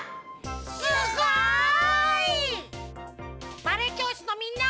すごい！バレエきょうしつのみんな。